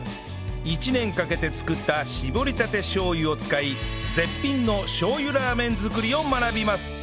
１年かけて作った搾りたてしょう油を使い絶品のしょう油ラーメン作りを学びます